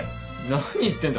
何言ってんだ。